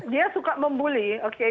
dia suka mem bully